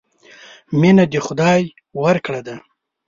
مینه د خدای ورکړه ده.